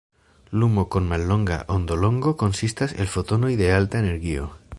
Lumo kun mallonga ondolongo konsistas el fotonoj de alta energio.